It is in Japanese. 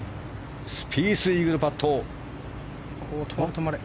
スピース、イーグルパット。